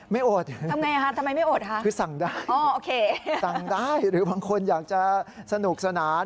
ไม่อดคือสั่งได้สั่งได้หรือบางคนอยากจะสนุกสนาน